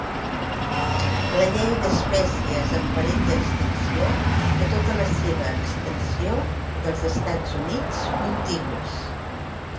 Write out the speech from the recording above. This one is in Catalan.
La Llei d'espècies en perill d'extinció a tota la seva extensió dels Estats Units contigus.